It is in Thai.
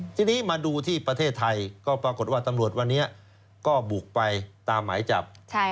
ทีนี้มาดูที่ประเทศไทยก็ปรากฏว่าตำรวจวันนี้ก็บุกไปตามหมายจับ